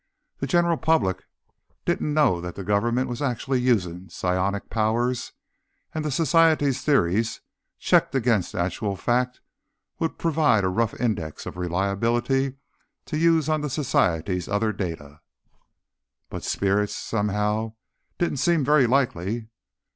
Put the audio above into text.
The general public didn't know that the Government was actually using psionic powers, and the Society's theories, checked against actual fact, would provide a rough index of reliability to use on the Society's other data. But spirits, somehow, didn't seem very likely.